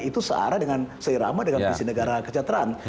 itu searah dengan seirama dengan visi negara kesejahteraan